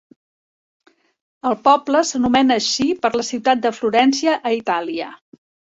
El poble s'anomena així per la ciutat de Florència a Itàlia.